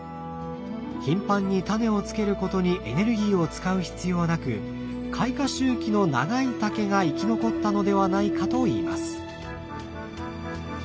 頻繁にタネをつけることにエネルギーを使う必要はなく開花周期の長い竹が生き残ったのではないかといいます。